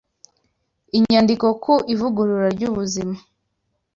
Inyandiko ku Ivugurura ry’Ubuzima